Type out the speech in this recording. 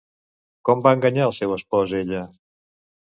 Com va enganyar al seu espòs ella?